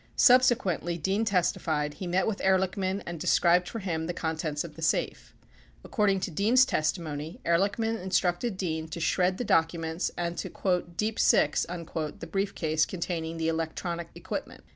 5 Subsequently, Dean testified, he met with Ehrlichman and described for him the contents of the safe. According to Dean's testimony, Ehrlichman instructed Dean to shred the documents and to "deep six" the briefcase containing the electronic equipment.